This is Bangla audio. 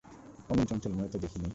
অমন চঞ্চল মেয়েও তো দেখি নাই।